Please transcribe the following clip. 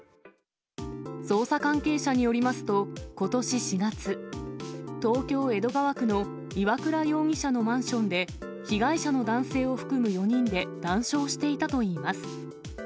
捜査関係者によりますと、ことし４月、東京・江戸川区の岩倉容疑者のマンションで被害者の男性を含む４人で談笑していたといいます。